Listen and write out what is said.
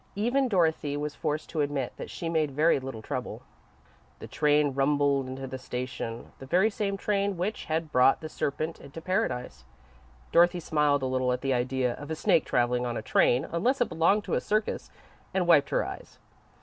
Even Dorothy was forced to admit that she made very little trouble. The train rumbled into the station the very same train which had brought the Serpent into Paradise. Dorothy smiled a little at the idea of a snake travelling on a train unless it belonged to a circus, and wiped her eyes.